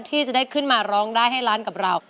ที่จะได้ขึ้นมาร้องได้ให้ล้านกับเรา